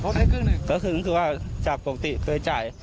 แบบคุณคือว่าจากปกติเคยจ่าย